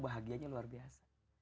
bahagianya luar biasa